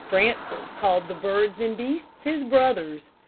Francis called the birds and beasts his brothers.